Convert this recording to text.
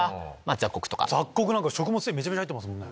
雑穀なんか食物繊維めちゃめちゃ入ってますもんね。